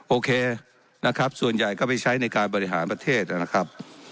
โอเคนะครับส่วนใหญ่ก็ไปใช้ในการบริหารประเทศนะครับ